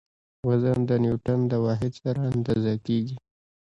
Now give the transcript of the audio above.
وزن د نیوټڼ د واحد سره اندازه کیږي.